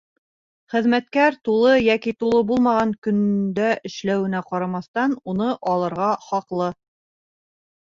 Хеҙмәткәр, тулы йәки тулы булмаған көндә эшләүенә ҡарамаҫтан, уны алырға хаҡлы.